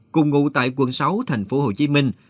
cùng ngụ tại quận sáu thành phố hồ chí minh